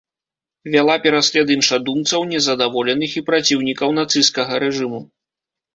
Вяла пераслед іншадумцаў, незадаволеных і праціўнікаў нацысцкага рэжыму.